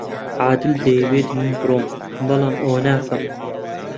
عادل دەیەوێت من بڕۆم، بەڵام ئەوە ناکەم.